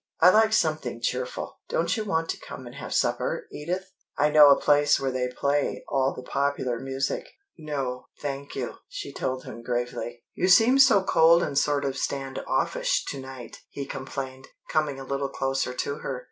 I like something cheerful. Don't you want to come and have some supper, Edith? I know a place where they play all the popular music." "No, thank you," she told him gravely. "You seem so cold and sort of stand offish to night," he complained, coming a little closer to her.